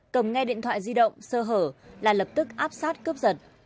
cầm nghe điện thoại di động sơ hở là lập tức áp sát cướp giật